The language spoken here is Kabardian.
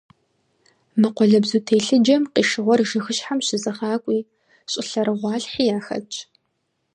Мы къуалэбзу телъыджэм къишыгъуэр жыгыщхьэм щызыгъакӀуи щӀылъэрыгъуалъхьи яхэтщ.